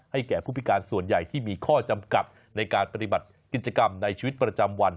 แก่ผู้พิการส่วนใหญ่ที่มีข้อจำกัดในการปฏิบัติกิจกรรมในชีวิตประจำวัน